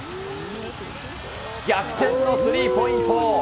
逆転のスリーポイント。